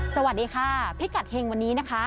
สวัสดีค่ะพิกัดเฮงวันนี้นะคะ